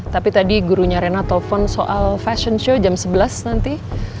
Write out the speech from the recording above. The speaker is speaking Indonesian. tapi tadi gurunya rena telepon soal fashion show jam sebelas nanti